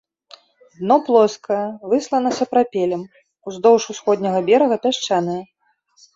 Дно плоскае, выслана сапрапелем, уздоўж усходняга берага пясчанае.